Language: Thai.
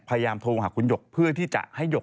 พยายามโทรหาคุณหยกเพื่อที่จะให้หยก